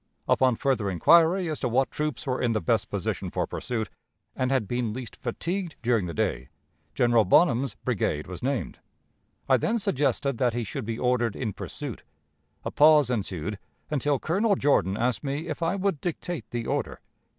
Upon further inquiry as to what troops were in the best position for pursuit, and had been least fatigued during the day, General Bonham's brigade was named. I then suggested that he should be ordered in pursuit; a pause ensued, until Colonel Jordan asked me if I would dictate the order.